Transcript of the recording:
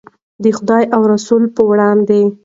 د خدای او رسول په وړاندې.